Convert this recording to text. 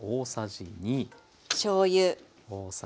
しょうゆ。